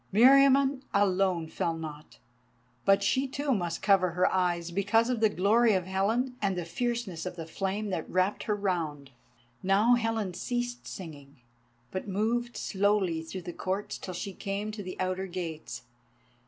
Meriamun alone fell not, but she too must cover her eyes because of the glory of Helen and the fierceness of the flame that wrapped her round. Now Helen ceased singing, but moved slowly through the courts till she came to the outer gates.